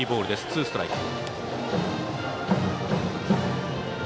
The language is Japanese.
ツーストライク。